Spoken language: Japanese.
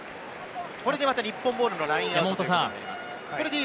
これでまた日本ボールのラインアウトになります。